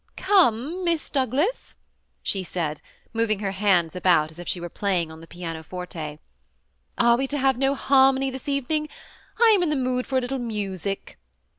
<' Come, Miss Douglas," she said, moving her hands about as if she were playing on the piano forte, " are we to have no harmony this evening? I am in the mood for a little music.''